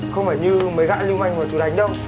không phải như mấy gã lưu manh mà chú đánh đâu